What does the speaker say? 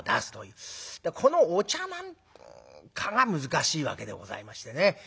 このお茶なんかが難しいわけでございましてね。